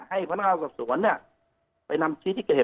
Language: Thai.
ให้พนักงานสอบสวนไปนำชี้ที่เกิดเหตุ